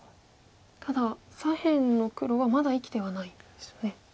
ただ左辺の黒はまだ生きてはないんですよね。